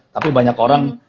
tapi banyak orang